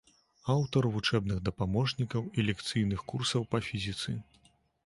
Аўтар вучэбных дапаможнікаў і лекцыйных курсаў па фізіцы.